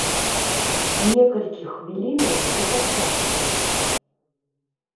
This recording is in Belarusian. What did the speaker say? Некалькі хвілінаў да пачатку.